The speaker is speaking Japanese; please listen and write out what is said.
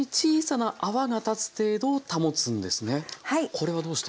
これはどうして？